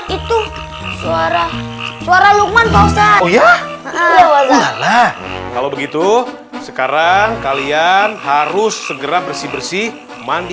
itu suara suara lukman bisa oh ya kalau begitu sekarang kalian harus segera bersih bersih mandi